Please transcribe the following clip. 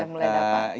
sudah mulai dapat